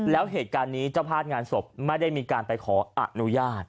แล้วเหตุการณ์นี้เจ้าภาพงานศพไม่ได้มีการไปขออนุญาต